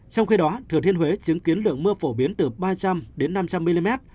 trong khi đó thừa thiên huế chứng kiến lượng mưa phổ biến từ ba trăm linh đến năm trăm linh mm